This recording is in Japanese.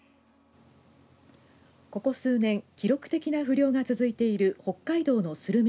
ここ数年記録的な不漁が続いている北海道のスルメ